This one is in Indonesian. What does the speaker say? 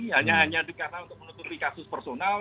hanya hanya karena untuk menutupi kasus personal